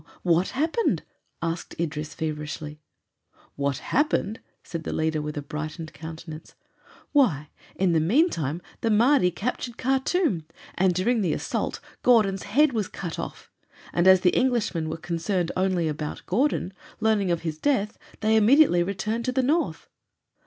What happened?" asked Idris feverishly. "What happened?" said the leader with a brightened countenance. "Why, in the meantime the Mahdi captured Khartûm, and during the assault Gordon's head was cut off. And as the Englishmen were concerned only about Gordon, learning of his death, they returned to the north.